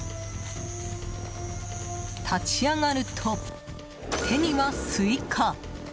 立ち上がると、手にはスイカ！